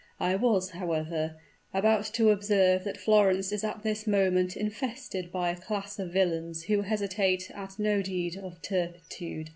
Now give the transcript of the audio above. I was, however, about to observe that Florence is at this moment infested by a class of villains who hesitate at no deed of turpitude.